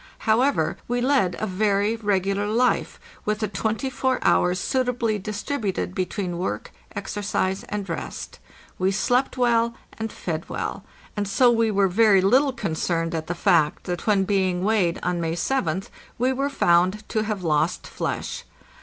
However, we led a very regular life, with the twenty four hours suitably distributed between work, exercise, and rest. We slept well and fed well, and so we were very little concerned at the fact that when being weighed on May 7th we were found to have lost flesh.